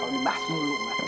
kalau dibahas dulu